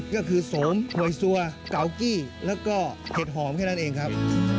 ก็คือสมหวยซัวเกากี้แล้วก็เห็ดหอมแค่นั้นเองครับ